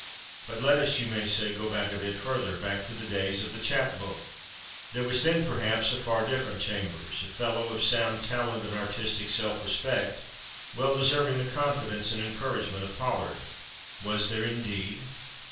But let us, you may say, go back a bit further—back to the days of the Chap Book. There was then, perhaps, a far different Chambers—a fellow of sound talent and artistic self respect, well deserving the confidence and encouragement of Pollard. Was there, indeed?